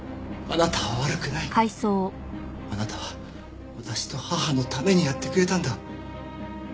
あなたは私と母のためにやってくれたんだ。